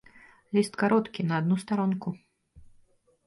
Ліст кароткі, на адну старонку.